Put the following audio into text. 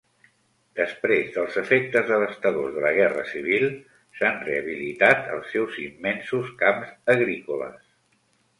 Després dels efectes devastadors de la guerra civil, s'han rehabilitat els seus immensos camps agrícoles.